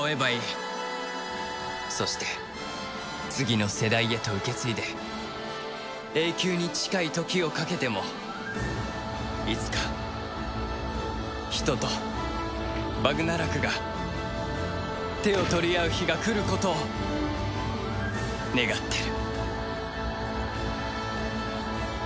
そして次の世代へと受け継いで永久に近い時をかけてもいつか人とバグナラクが手を取り合う日が来ることを願ってる。